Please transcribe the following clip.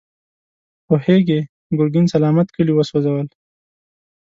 پوهېږې، ګرګين سلامت کلي وسوځول.